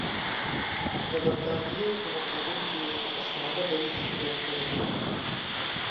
د برټانیې په مقابل کې یې خصمانه دریځ غوره کړی دی.